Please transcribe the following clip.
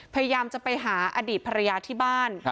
พยายามจะไปหาอดีตภรรยาที่บ้าน